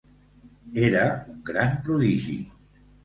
Era un gran prodigi.